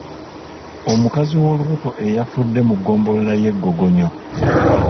Omukazi w’olubuto eyafudde mu ggombolola y’e Gogonyo.